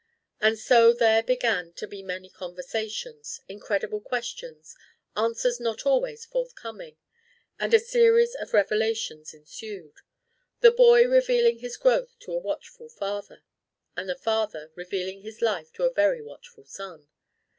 And so there began to be many conversations; incredible questions; answers not always forthcoming. And a series of revelations ensued; the boy revealing his growth to a watchful father, and a father revealing his life to a very watchful son!